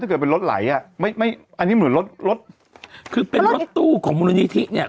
เกิดเป็นรถไหลอ่ะไม่ไม่อันนี้เหมือนรถรถคือเป็นรถตู้ของมูลนิธิเนี่ย